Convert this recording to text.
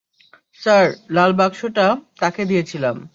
Sir, লাল বাক্সটা, - তাকে দিয়েছিলাম।